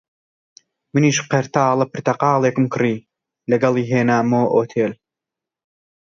منیش قەرتاڵە پرتەقاڵێکم کڕی، لەگەڵی هێنامەوە ئوتێل